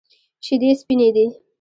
شیدې سپینې دي.